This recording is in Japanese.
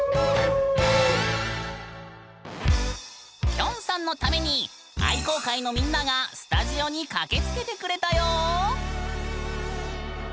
きょんさんのために愛好会のみんながスタジオに駆けつけてくれたよ！